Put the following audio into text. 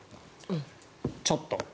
ちょっと。